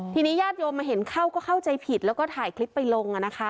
ทีนี้ญาติโยมมาเห็นเข้าก็เข้าใจผิดแล้วก็ถ่ายคลิปไปลง